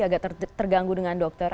agak terganggu dengan dokter